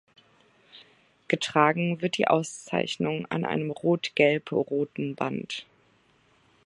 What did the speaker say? Getragen wird die Auszeichnung an einem rot-gelb-roten Band.